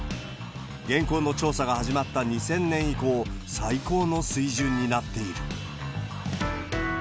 現行の調査が始まった２０００年以降、最高の水準になっている。